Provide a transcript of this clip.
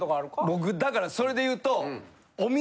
僕だからそれで言うと。